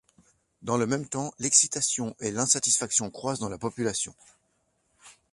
Dans le même temps, l'excitation et l'insatisfaction croissent dans la population.